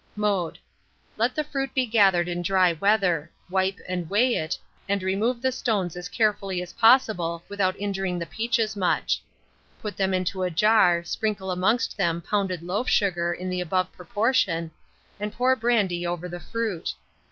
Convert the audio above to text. Mode. Let the fruit be gathered in dry weather; wipe and weigh it, and remove the stones as carefully as possible, without injuring the peaches much. Put them into a jar, sprinkle amongst them pounded loaf sugar in the above proportion, and pour brandy over the fruit.